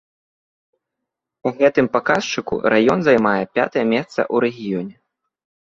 Па гэтым паказчыку раён займае пятае месца ў рэгіёне.